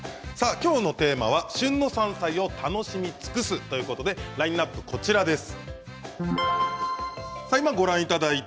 きょうのテーマは旬の山菜を楽しみ尽くすということで、ラインナップです。